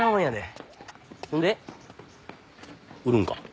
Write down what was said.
そんで売るんか？